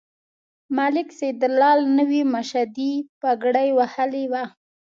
ملک سیدلال نوې مشدۍ پګړۍ وهلې وه.